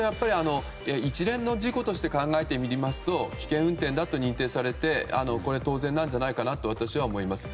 一連の事故として考えてみますと危険運転だと認定されて当然なんじゃないかなと私は思います。